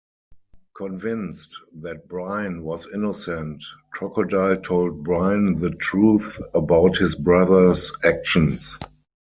Convinced that Brian was innocent, Crocodile told Brian the truth about his brother's actions.